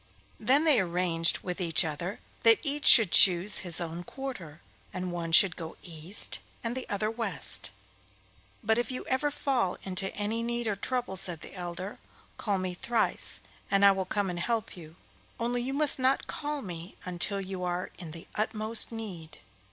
Then they arranged with each other that each should choose his own quarter, and one should go east and the other west. 'But if ever you fall into any need or trouble,' said the elder, 'call me thrice, and I will come and help you; only you must not call me until you are in the utmost need.